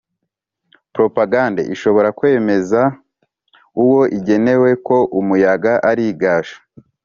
propagande ishobora kwemeza uwo igenewe ko umuyaga ari igaju!